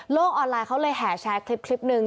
ออนไลน์เขาเลยแห่แชร์คลิปหนึ่ง